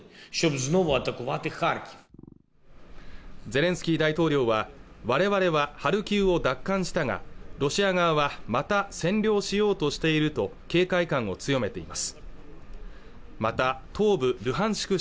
ゼレンスキー大統領は我々はハルキウを奪還したがロシア側はまた占領しようとしていると警戒感を強めていますまた東部ルハンシク